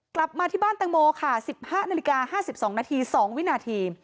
กลับมาที่บ้านแตงโมค่ะ๑๕นาฬิกา๕๒นาที๒วินาที